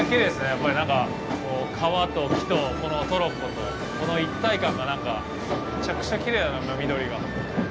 やっぱり、川と木とこのトロッコと、この一体感がむちゃくちゃきれいだな、今、緑が。